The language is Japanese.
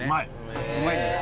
うまいんです。